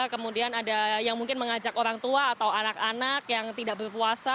kemudian ada yang mungkin mengajak orang tua atau anak anak yang tidak berpuasa